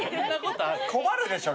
困るでしょ